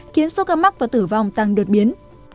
khiến số ca mắc và tử vong tăng đột biến